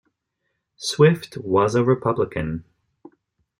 Swift was a Republican.